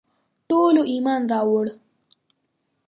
ټولو ایمان راووړ.